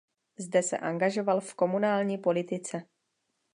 Zde se angažoval v komunální politice.